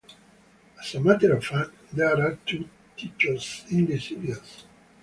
As a matter of fact, there are two Tychos in the series.